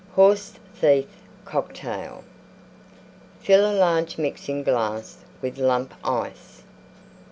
HORSE THIEF COCKTAIL Fill a large Mixing glass with Lump Ice.